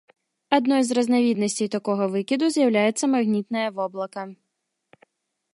Адной з разнавіднасцей такога выкіду з'яўляецца магнітнае воблака.